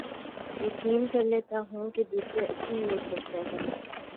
یقین کر لیتا ہوں کے دوسرے اچھی نیت رکھتے ہیں